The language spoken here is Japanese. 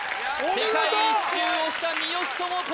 世界一周をした三好智子